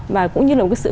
và cũng như là một cái sự